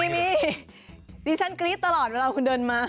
ดิฉันกรี๊ดตลอดเวลาคุณเดินมา